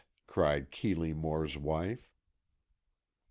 cried Keeley Moore's wife.